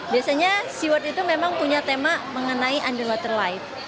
biasanya seaword itu memang punya tema mengenai underwater life